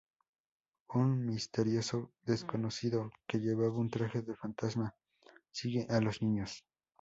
Un misterioso desconocido que llevaba un traje de fantasma sigue a los niños.